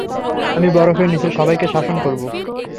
আমি বরফের নিচের সবাইকে শাসন করব।